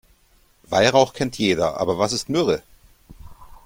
Weihrauch kennt jeder, aber was ist Myrrhe?